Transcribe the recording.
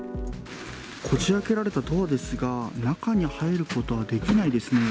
こじあけられたドアですが、中に入ることはできないですね。